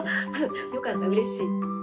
よかったうれしい。